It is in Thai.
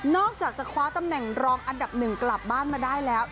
อกจากจะคว้าตำแหน่งรองอันดับหนึ่งกลับบ้านมาได้แล้ว